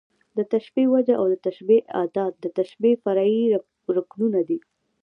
د تشبېه وجه او د تشبېه ادات، د تشبېه فرعي رکنونه دي.